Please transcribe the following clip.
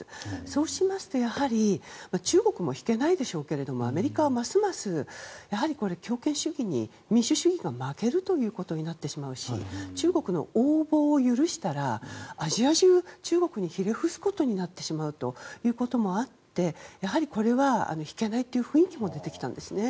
そうしますと、やはり中国も引けないでしょうけどもアメリカは、ますます強権主義に民主主義が負けるということになってしまうし中国の横暴を許したらアジア中、中国にひれ伏すことになってしまうということもあってやはりこれは引けないという雰囲気も出てきたんですね。